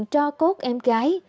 cho cốt em gái